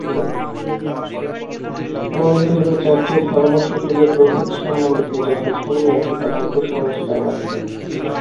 মন্দিরে বা চার্চে ধর্মসকলের প্রভেদ সম্বন্ধে যাহা শুনিয়াছি, তাহা কুসংস্কার মাত্র।